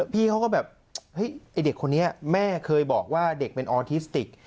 พี่เขาก็แบบเฮ้ยไอ้เด็กคนนี้แม่เคยบอกว่าเด็กเป็นออทิสติก